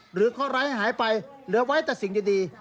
หรือข้อร้ายหายไปเหลือไว้แต่สิ่งดี